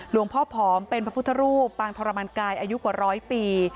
หลวงพ่อผอมเป็นพระพุทธรูปปางทรมันกายอายุกว่าร้อยปี